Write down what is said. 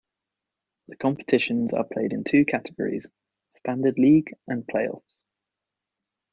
The competitions are played in two categories: Standard league and playoffs.